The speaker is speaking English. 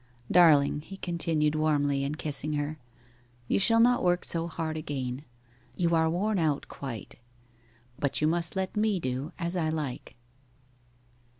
'Darling,' he continued warmly, and kissing her, 'you shall not work so hard again you are worn out quite. But you must let me do as I like.